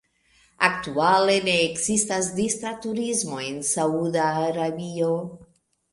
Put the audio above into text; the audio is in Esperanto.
Aktuale ne ekzistas distra turismo en Sauda Arabio.